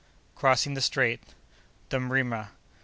Crossing the Strait.—The Mrima.